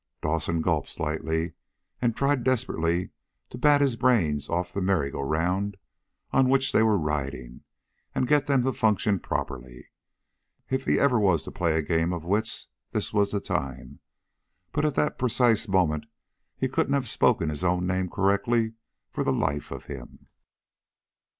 Dawson gulped slightly and tried desperately to bat his brains off the merry go round on which they were riding, and get them to function properly. If he ever was to play a game of wits, this was the time. But at that precise moment he couldn't have spoken his own name correctly for the life of him.